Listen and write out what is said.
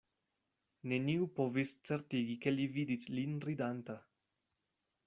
Neniu povis certigi, ke li vidis lin ridanta.